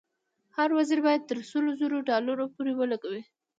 هر وزیر باید تر سلو زرو ډالرو پورې ولګوي.